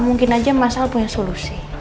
mungkin aja mas al punya solusi